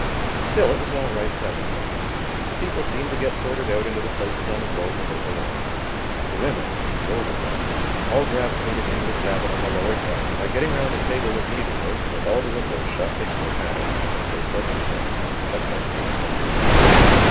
Still, it was all right presently. The people seemed to get sorted out into the places on the boat where they belonged. The women, the older ones, all gravitated into the cabin on the lower deck and by getting round the table with needlework, and with all the windows shut, they soon had it, as they said themselves, just like being at home.